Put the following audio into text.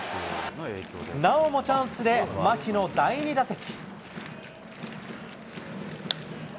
なおもチャンスで牧の第２打席。